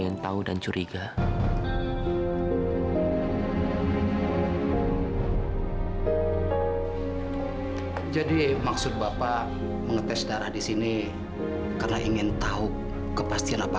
sampai jumpa di video selanjutnya